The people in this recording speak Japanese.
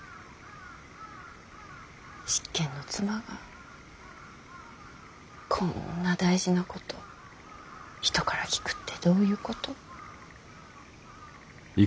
執権の妻がこんな大事なこと人から聞くってどういうこと。